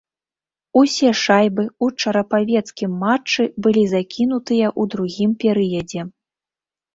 Усе шайбы ў чарапавецкім матчы былі закінутыя ў другім перыядзе.